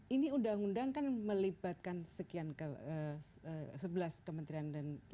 ini undang undang kan melibatkan sekian